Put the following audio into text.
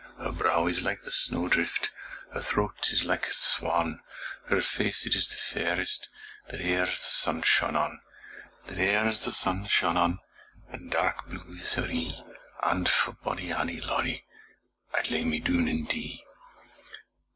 Her brow is like the snowdrift, Her throat is like a swan, Her face it is the fairest That e'er the sun shone on. That e'er the sun shone on, And dark blue is her ee, And for bonnie Annie Laurie I lay me doon and dee.